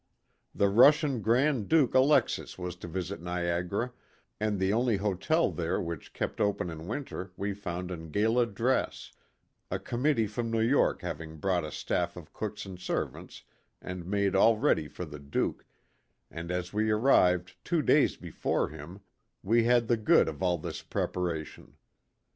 The Russian Grand Duke Alexis was to visit Niagara and the only hotel there which kept open in winter we found in gala dress ; a committee from New York hav ing brought a staff of cooks and servants and made all ready for the Duke, and as we arrived two days before him we had the good of all this preparation.